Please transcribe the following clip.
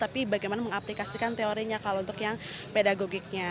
tapi bagaimana mengaplikasikan teorinya kalau untuk yang pedagogiknya